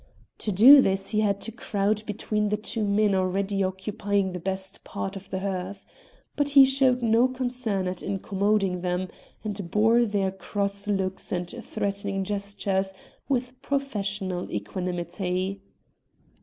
To do this he had to crowd between the two men already occupying the best part of the hearth. But he showed no concern at incommoding them, and bore their cross looks and threatening gestures with professional equanimity.